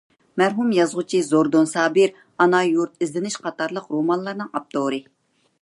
مەرھۇم يازغۇچى زوردۇن سابىر — «ئانا يۇرت» ، «ئىزدىنىش» قاتارلىق رومانلارنىڭ ئاپتورى.